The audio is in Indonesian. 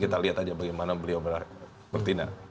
kita lihat aja bagaimana beliau bertindak